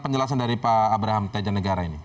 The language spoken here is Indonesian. penjelasan dari pak abraham teja negara ini